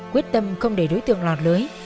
quyết tâm không để đối tượng lọt lưới